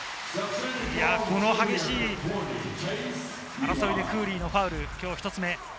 この激しい争いのクーリーのファウル、今日１つ目。